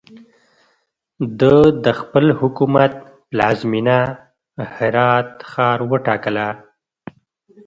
ده د خپل حکومت پلازمینه هرات ښار وټاکله.